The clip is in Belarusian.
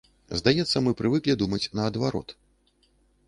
Здаецца, мы прывыклі думаць наадварот.